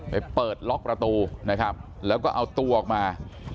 ไปเปิดล็อกประตูนะครับแล้วก็เอาตัวออกมา